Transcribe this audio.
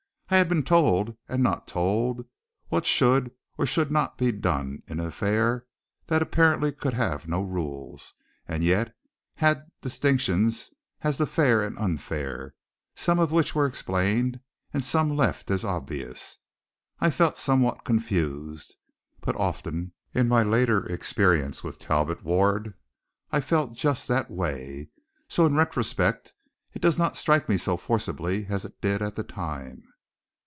I had been told and not told, what should, or should not, be done, in an affair that apparently could have no rules, and yet had distinctions as to fair and unfair, some of which were explained and some left as obvious. I felt somewhat confused. But often in my later experience with Talbot Ward I felt just that way, so in retrospect it does not strike me so forcibly as it did at that time.